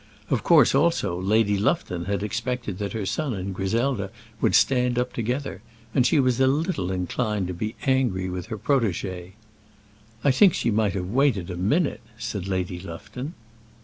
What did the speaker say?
Of course also Lady Lufton had expected that her son and Griselda would stand up together, and she was a little inclined to be angry with her protégée. "I think she might have waited a minute," said Lady Lufton.